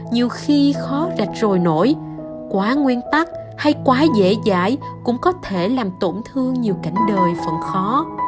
nhiều khi khó rạch rồi nổi quá nguyên tắc hay quá dễ dãi cũng có thể làm tổn thương nhiều cảnh đời vẫn khó